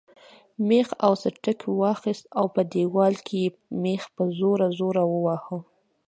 مېخ او سټک واخیست او په دیوال کې یې مېخ په زور زور واهه.